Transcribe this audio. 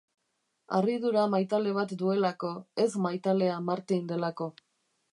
Harridura maitale bat duelako, ez maitalea Martin delako.